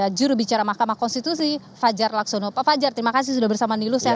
di situ bicara mahkamah konstitusi fajar laksono pak fajar terima kasih sudah bersama nilo saya